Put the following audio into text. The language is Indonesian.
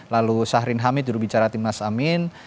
lalu sahrin hamid jurubicara timnas amin